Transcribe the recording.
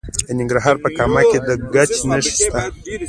د ننګرهار په کامه کې د ګچ نښې شته.